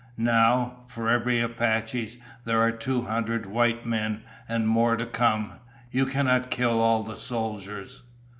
Now, for every Apache, there are two hundred white men and more to come. You cannot kill all the soldiers."